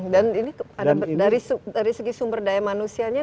dan ini dari segi sumber daya manusianya